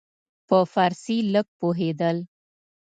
په فارسي لږ پوهېدل.